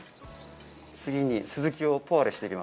次にスズキをポワレしていきます。